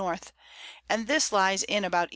N. and this lies in about E.